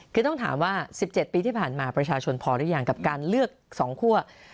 คือต้องถามว่า๑๗ปีที่ผ่านมาประชาชนพอหรือยังกับการเลือก๒คั่ว